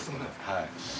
はい。